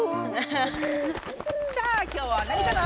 さあ今日は何かな？